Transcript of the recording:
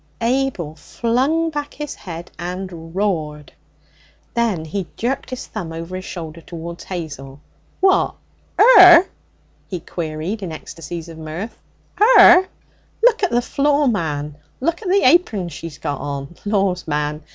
Abel flung back his head and roared. Then he jerked his thumb over his shoulder towards Hazel. 'What? 'er?' he queried in ecstasies of mirth. ''Er? Look at the floor, man! Look at the apern she's got on! Laws, man!